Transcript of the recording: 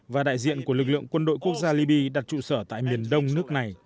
và đại diện của lực lượng quân đội quốc gia libya đặt trụ sở tại miền đông nước này